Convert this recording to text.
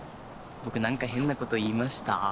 僕なんか変なこと言いました？